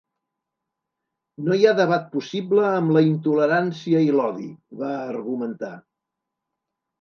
No hi ha debat possible amb la intolerància i l’odi, va argumentar.